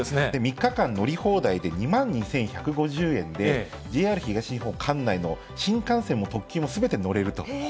３日間乗り放題で２万２１５０円で、ＪＲ東日本管内の新幹線も特急もすべて乗れると。